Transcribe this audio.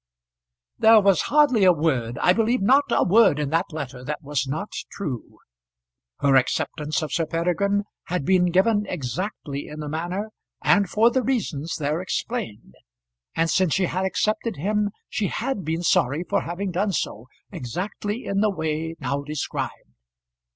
There was hardly a word, I believe not a word in that letter that was not true. Her acceptance of Sir Peregrine had been given exactly in the manner and for the reasons there explained; and since she had accepted him she had been sorry for having done so, exactly in the way now described.